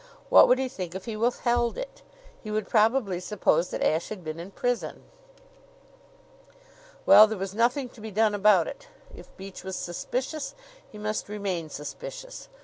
What would he think if he withheld it? He would probably suppose that Ashe had been in prison. Well, there was nothing to be done about it. If Beach was suspicious, he must remain suspicious.